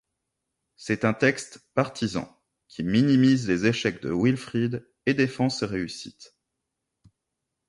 C'est un texte partisan, qui minimise les échecs de Wilfrid et défend ses réussites.